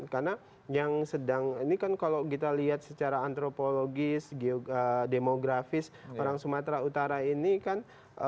karena yang sedang ini kan kalau kita lihat secara antropologis demografis orang sumatera utara ini kan